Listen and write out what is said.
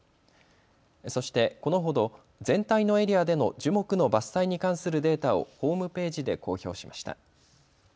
そしてこのほど全体のエリアでの樹木の伐採に関するデータをホームページで公表しました。